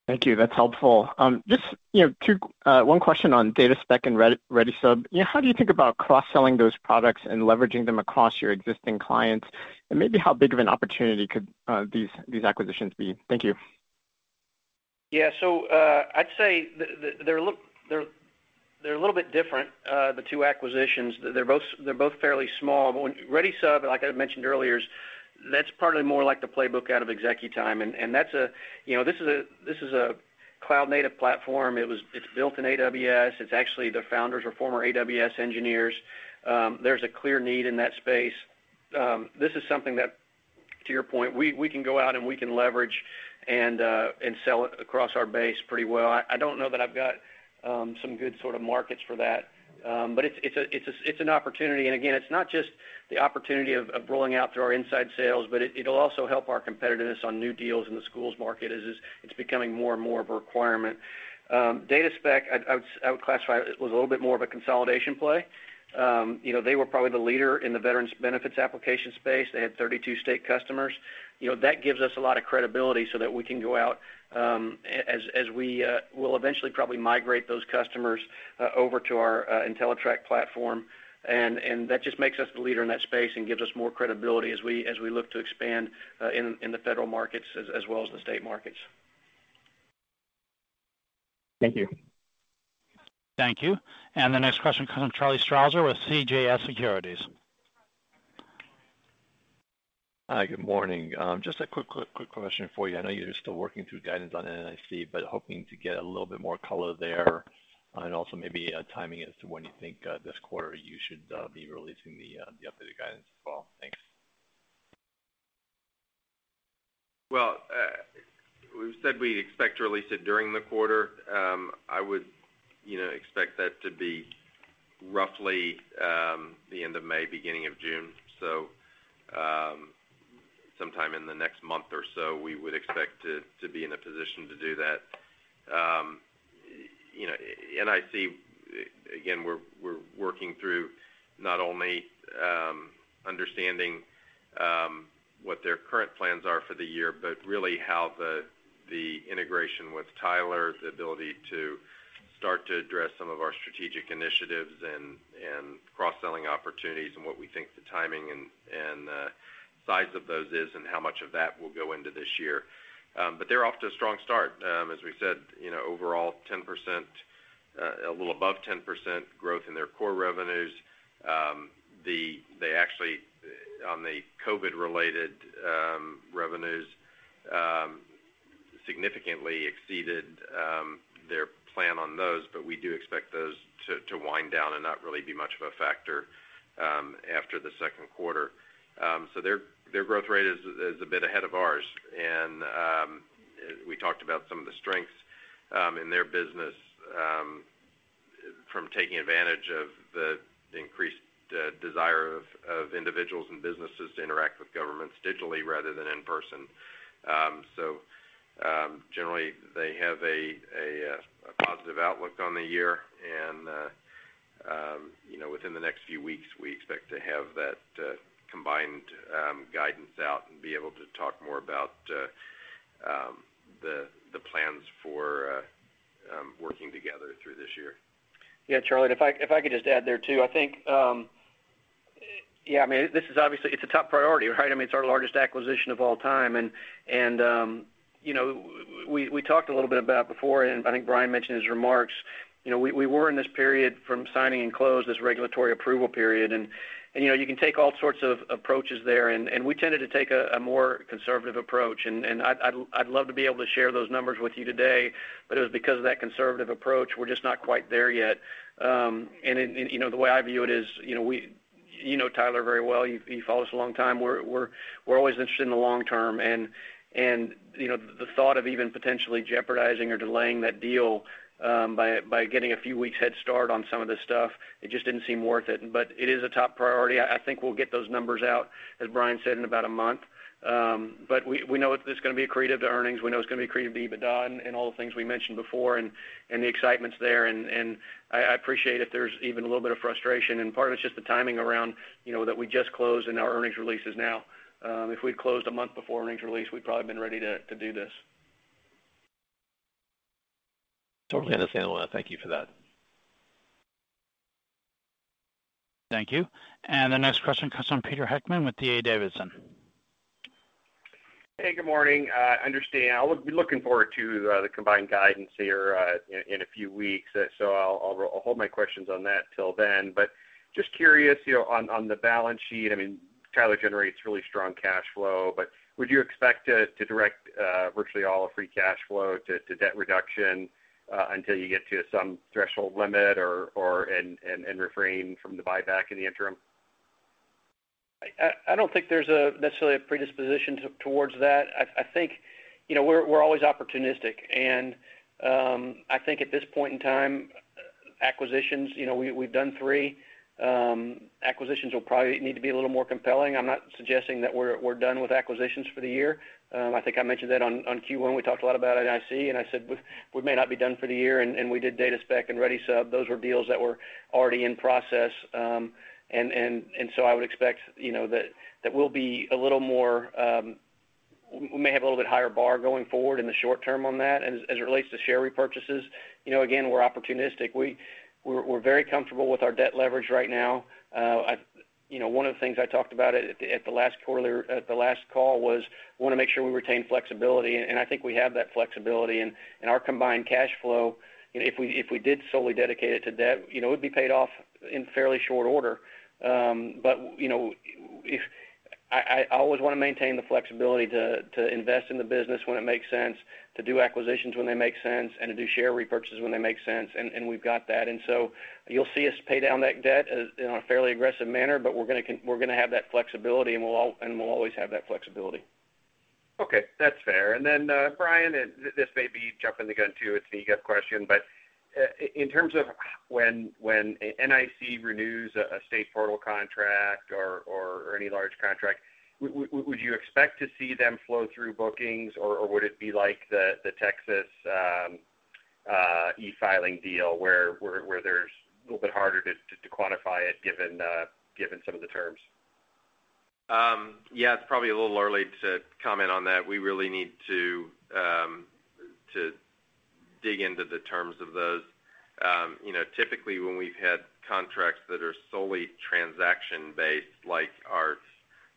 Thank you. That's helpful. Just one question on DataSpec and ReadySub. How do you think about cross-selling those products and leveraging them across your existing clients? Maybe how big of an opportunity could these acquisitions be? Thank you. Yeah. I'd say they're a little bit different, the two acquisitions. They're both fairly small, but ReadySub, like I had mentioned earlier, that's partly more like the playbook out of ExecuTime. This is a cloud-native platform. It's built in AWS. It's actually the founders or former AWS engineers. There's a clear need in that space. This is something that, to your point, we can go out and we can leverage and sell across our base pretty well. I don't know that I've got some good sort of markets for that. It's an opportunity, and again, it's not just the opportunity of rolling out through our inside sales, but it'll also help our competitiveness on new deals in the schools market as it's becoming more and more of a requirement. DataSpec, I would classify it was a little bit more of a consolidation play. They were probably the leader in the veterans benefits application space. They had 32 state customers. That gives us a lot of credibility so that we can go out as we will eventually probably migrate those customers over to our Entellitrak platform. That just makes us the leader in that space and gives us more credibility as we look to expand in the federal markets as well as the state markets. Thank you. Thank you. The next question comes from Charlie Strauzer with CJS Securities. Hi, good morning. Just a quick question for you. I know you're still working through guidance on NIC, but hoping to get a little bit more color there, and also maybe timing as to when you think this quarter you should be releasing the updated guidance as well. Thanks. Well, we've said we expect to release it during the quarter. I would expect that to be roughly the end of May, beginning of June. Sometime in the next month or so, we would expect to be in a position to do that. NIC, again, we're working through not only understanding what their current plans are for the year, but really how the integration with Tyler, the ability to start to address some of our strategic initiatives and cross-selling opportunities and what we think the timing and size of those is and how much of that will go into this year. They're off to a strong start. As we said, overall a little above 10% growth in their core revenues. They actually, on the COVID-related revenues, significantly exceeded their plan on those, but we do expect those to wind down and not really be much of a factor after the second quarter. Their growth rate is a bit ahead of ours. We talked about some of the strengths in their business from taking advantage of the increased desire of individuals and businesses to interact with governments digitally rather than in person. Generally, they have a positive outlook on the year, and within the next few weeks, we expect to have that combined guidance out and be able to talk more about the plans for working together through this year. Yeah, Charlie, if I could just add there too, I think this is obviously a top priority, right? It's our largest acquisition of all time. We talked a little bit about it before. I think Brian mentioned in his remarks, we were in this period from signing and close, this regulatory approval period. You can take all sorts of approaches there. We tended to take a more conservative approach. I'd love to be able to share those numbers with you today, but it was because of that conservative approach, we're just not quite there yet. The way I view it is, you know Tyler very well. You've followed us a long time. We're always interested in the long term, and the thought of even potentially jeopardizing or delaying that deal by getting a few weeks head start on some of this stuff, it just didn't seem worth it. It is a top priority. I think we'll get those numbers out, as Brian said, in about a month. We know it's going to be accretive to earnings. We know it's going to be accretive to EBITDA and all the things we mentioned before, and the excitement's there, and I appreciate if there's even a little bit of frustration, and part of it's just the timing around that we just closed and our earnings release is now. If we'd closed a month before earnings release, we'd probably have been ready to do this. Totally understandable, and thank you for that. Thank you. The next question comes from Pete Heckmann with D.A. Davidson. Hey, good morning. I understand. I will be looking forward to the combined guidance here in a few weeks, so I'll hold my questions on that till then. Just curious on the balance sheet, Tyler generates really strong cash flow, but would you expect to direct virtually all of free cash flow to debt reduction until you get to some threshold limit and refrain from the buyback in the interim? I don't think there's necessarily a predisposition towards that. I think we're always opportunistic, and I think at this point in time, acquisitions, we've done three. Acquisitions will probably need to be a little more compelling. I'm not suggesting that we're done with acquisitions for the year. I think I mentioned that on Q1. We talked a lot about it at IC, and I said we may not be done for the year, and we did DataSpec and ReadySub. Those were deals that were already in process. I would expect that we may have a little bit higher bar going forward in the short term on that. As it relates to share repurchases, again, we're opportunistic. We're very comfortable with our debt leverage right now. One of the things I talked about at the last call was we want to make sure we retain flexibility, and I think we have that flexibility, and our combined cash flow, if we did solely dedicate it to debt, it would be paid off in fairly short order. I always want to maintain the flexibility to invest in the business when it makes sense, to do acquisitions when they make sense, and to do share repurchases when they make sense, and we've got that. You'll see us pay down that debt in a fairly aggressive manner, but we're going to have that flexibility, and we'll always have that flexibility. Okay. That's fair. Brian, this may be jumping the gun, too. It's a GAAP question, but in terms of when NIC renews a state portal contract or any large contract, would you expect to see them flow through bookings, or would it be like the Texas e-filing deal where there's a little bit harder to quantify it given some of the terms? Yeah, it's probably a little early to comment on that. We really need to dig into the terms of those. Typically, when we've had contracts that are solely transaction-based, like our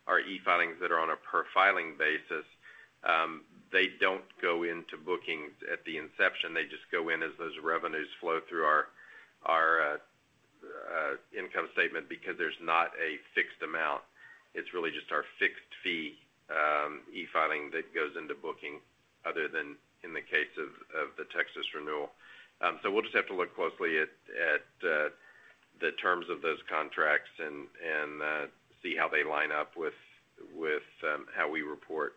e-filings that are on a per filing basis, they don't go into bookings at the inception. They just go in as those revenues flow through our income statement because there's not a fixed amount. It's really just our fixed fee e-filing that goes into booking, other than in the case of the Texas renewal. We'll just have to look closely at the terms of those contracts and see how they line up with how we report.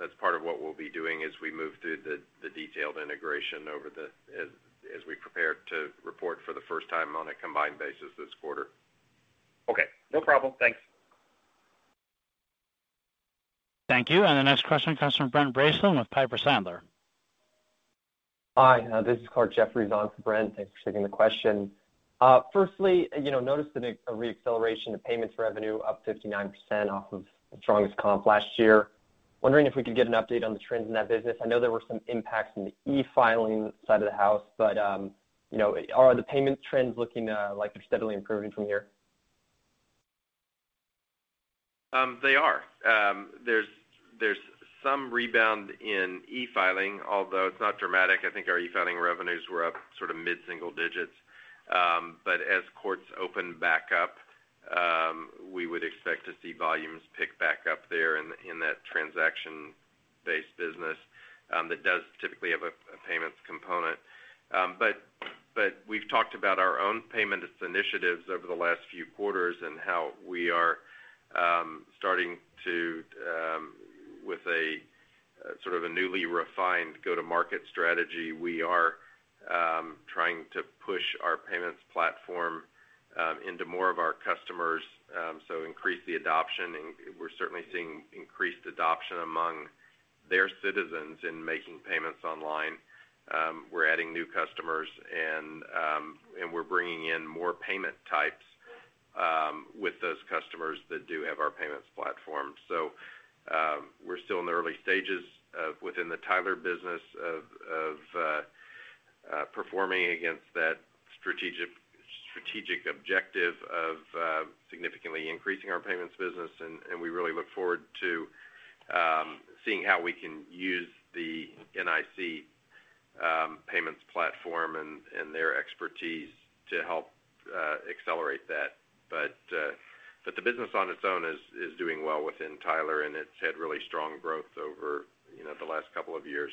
That's part of what we'll be doing as we move through the detailed integration on a combined basis this quarter. Okay, no problem. Thanks. Thank you. The next question comes from Brent Bracelin with Piper Sandler. Hi, this is Clarke Jeffries on for Brent. Thanks for taking the question. Firstly, noticed a re-acceleration of payments revenue up 59% off of the strongest comp last year. Wondering if we could get an update on the trends in that business? I know there were some impacts in the e-filing side of the house, but are the payment trends looking like they're steadily improving from here? They are. There's some rebound in e-filing, although it's not dramatic. I think our e-filing revenues were up mid-single digits. As Courts open back up, we would expect to see volumes pick back up there in that transaction-based business, that does typically have a payments component. We've talked about our own payments initiatives over the last few quarters, and how we are starting to, with a newly refined go-to-market strategy, trying to push our payments platform into more of our customers, so increase the adoption, and we're certainly seeing increased adoption among their citizens in making payments online. We're adding new customers, and we're bringing in more payment types with those customers that do have our payments platform. We're still in the early stages within the Tyler business of performing against that strategic objective of significantly increasing our payments business. We really look forward to seeing how we can use the NIC payments platform and their expertise to help accelerate that. The business on its own is doing well within Tyler, and it's had really strong growth over the last couple of years.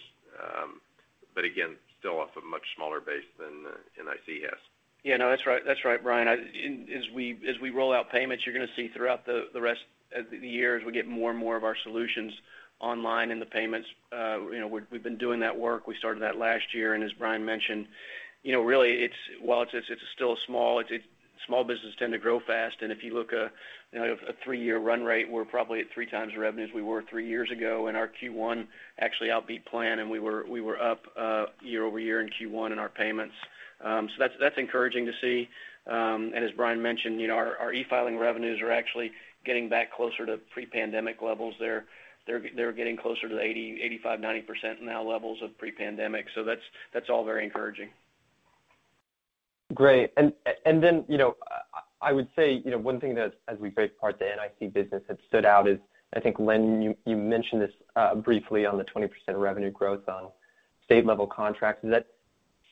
Again, still off a much smaller base than NIC has. Yeah. No, that's right, Brian. As we roll out payments, you're going to see throughout the rest of the year, as we get more and more of our solutions online in the payments. We've been doing that work. We started that last year, as Brian mentioned, really, while it's still small business tend to grow fast. If you look a three-year run rate, we're probably at 3x the revenues we were three years ago. Our Q1 actually outbeat plan, and we were up year-over-year in Q1 in our payments. That's encouraging to see. As Brian mentioned, our e-filing revenues are actually getting back closer to pre-pandemic levels there. They're getting closer to the 80%, 85%, 90% now levels of pre-pandemic. That's all very encouraging. Great. I would say, one thing that, as we break apart the NIC business, has stood out is, I think, Lynn, you mentioned this briefly on the 20% revenue growth on state-level contracts, is that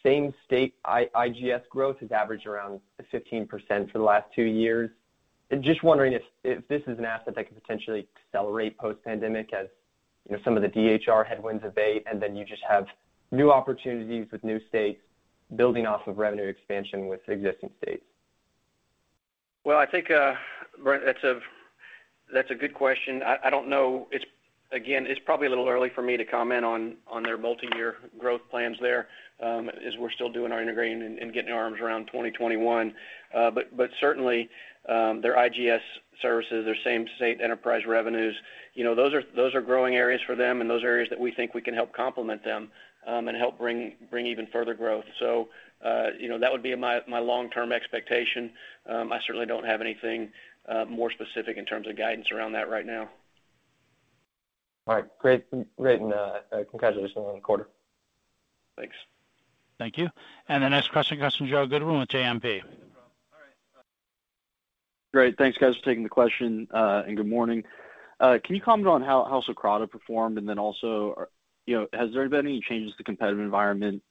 same state IGS growth has averaged around 15% for the last two years. Just wondering if this is an asset that could potentially accelerate post-pandemic, as some of the DHR headwinds abate, and then you just have new opportunities with new states building off of revenue expansion with existing states. Well, I think, Brent, that's a good question. I don't know. It's probably a little early for me to comment on their multi-year growth plans there, as we're still doing our integrating and getting our arms around 2021. Certainly, their IGS services, their same state enterprise revenues, those are growing areas for them, and those are areas that we think we can help complement them, and help bring even further growth. That would be my long-term expectation. I certainly don't have anything more specific in terms of guidance around that right now. All right. Great. Congratulations on the quarter. Thanks. Thank you. The next question comes from Joe Goodwin with JMP. Great. Thanks, guys, for taking the question, and good morning. Can you comment on how Socrata performed? Also, has there been any changes to competitive environment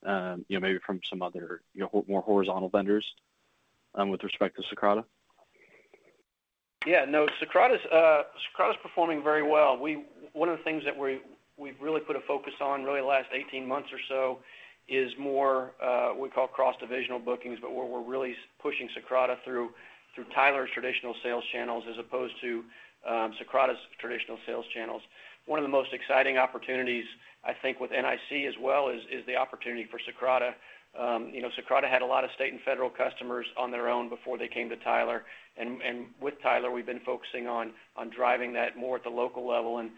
maybe from some other more horizontal vendors with respect to Socrata? Yeah. No, Socrata's performing very well. One of the things that we've really put a focus on in really the last 18 months or so is more what we call cross-divisional bookings, but where we're really pushing Socrata through Tyler's traditional sales channels as opposed to Socrata's traditional sales channels. One of the most exciting opportunities, I think with NIC as well is the opportunity for Socrata. Socrata had a lot of state and federal customers on their own before they came to Tyler. With Tyler, we've been focusing on driving that more at the local level, and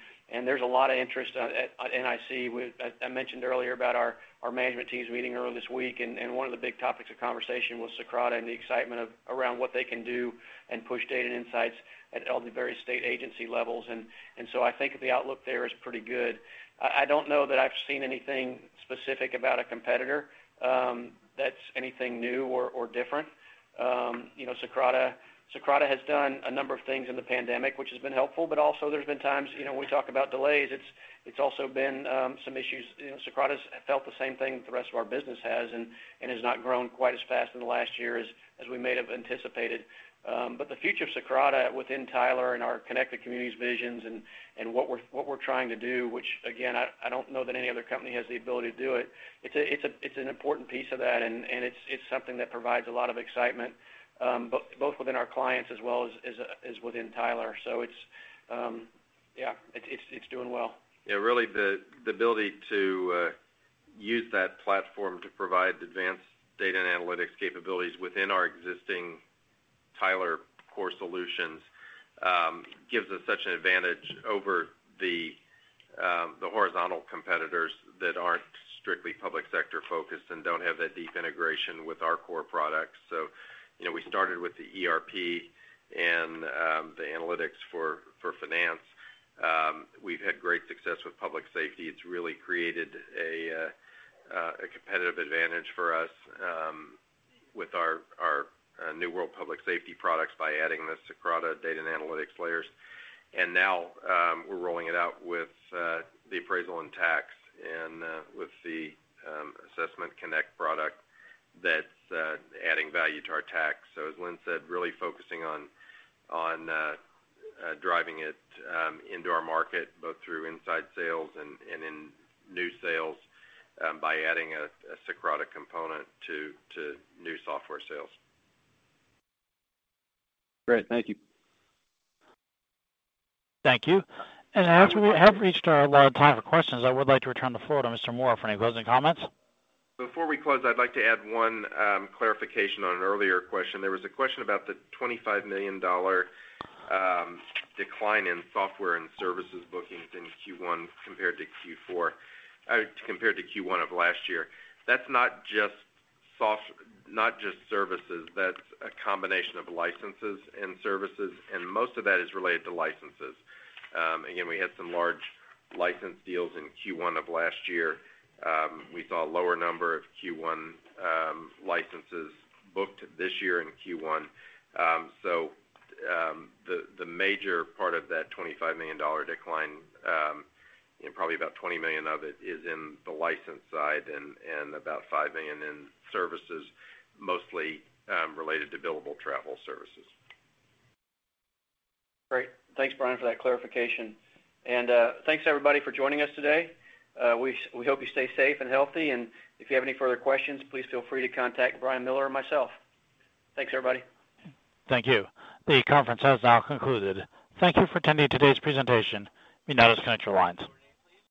there's a lot of interest at NIC. I mentioned earlier about our management teams meeting earlier this week, and one of the big topics of conversation was Socrata and the excitement around what they can do and push data insights at all the various state agency levels. I think the outlook there is pretty good. I don't know that I've seen anything specific about a competitor that's anything new or different. Socrata has done a number of things in the pandemic, which has been helpful, but also there's been times when we talk about delays, it's also been some issues. Socrata's felt the same thing the rest of our business has and has not grown quite as fast in the last year as we may have anticipated. The future of Socrata within Tyler and our connected communities visions and what we're trying to do, which again, I don't know that any other company has the ability to do it. It's an important piece of that, and it's something that provides a lot of excitement both within our clients as well as within Tyler. It's doing well. Really the ability to use that platform to provide advanced data and analytics capabilities within our existing Tyler core solutions gives us such an advantage over the horizontal competitors that aren't strictly public sector focused and don't have that deep integration with our core products. We started with the ERP and the analytics for finance. We've had great success with public safety. It's really created a competitive advantage for us with our New World Public Safety products by adding the Socrata data and analytics layers. Now we're rolling it out with the appraisal and tax and with the Assessment Connect product that's adding value to our tax. As Lynn said, really focusing on driving it into our market, both through inside sales and in new sales, by adding a Socrata component to new software sales. Great. Thank you. Thank you. As we have reached our allotted time for questions, I would like to return the floor to Mr. Moore for any closing comments. Before we close, I'd like to add one clarification on an earlier question. There was a question about the $25 million decline in software and services bookings in Q1 compared to Q1 of last year. That's not just services. That's a combination of licenses and services, and most of that is related to licenses. Again, we had some large license deals in Q1 of last year. We saw a lower number of Q1 licenses booked this year in Q1. The major part of that $25 million decline, and probably about $20 million of it, is in the license side and about $5 million in services, mostly related to billable travel services. Great. Thanks, Brian, for that clarification. Thanks everybody for joining us today. We hope you stay safe and healthy. If you have any further questions, please feel free to contact Brian Miller or myself. Thanks, everybody. Thank you. The conference has now concluded. Thank you for attending today's presentation. We now disconnect your lines.